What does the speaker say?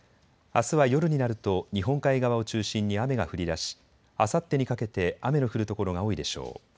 あすは夜になると日本海側を中心に雨が降りだしあさってにかけて雨の降る所が多いでしょう。